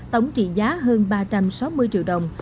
tổng trị giá hơn ba trăm sáu mươi triệu đồng